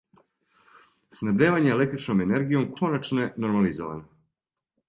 Снабдевање електричном енергијом коначно је нормализовано.